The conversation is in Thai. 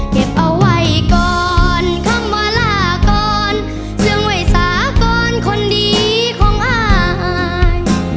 เก็บเอาไว้ก่อนคำว่าลาก่อนซึ่งไว้สากรคนดีของอาย